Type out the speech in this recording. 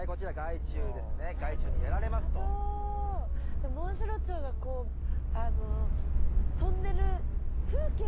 でもモンシロチョウがこうあの飛んでる風景はなんとなく。